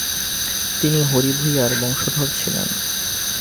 তিনি হরিভূঞার বংশধর ছিলেন।